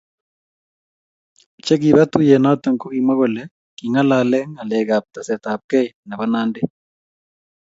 Che kiba tuiyet noto ko kimwa kole kingalalee ngalek ab tesetaetabkei nebo Nandi